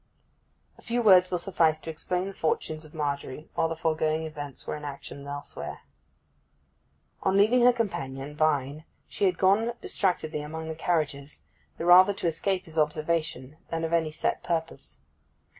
A few words will suffice to explain the fortunes of Margery while the foregoing events were in action elsewhere. On leaving her companion Vine she had gone distractedly among the carriages, the rather to escape his observation than of any set purpose.